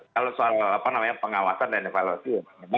kalau soal pengawasan dan evaluasi